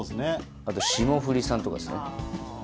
あと霜降りさんとかですねあっ